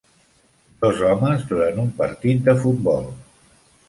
Dos homes durant un partit de futbol